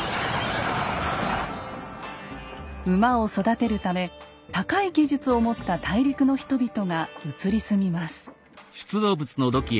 馬を育てるため高い技術を持った大陸の人々が移り住みます。